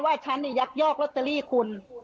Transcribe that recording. ว่าฉันนี้ยักษ์ยอกรอตเตอรี่ของคุณ